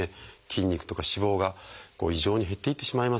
筋肉とか脂肪が異常に減っていってしまいますからね。